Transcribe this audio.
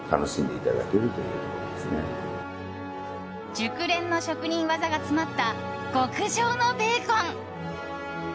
熟練の職人技が詰まった極上のベーコン。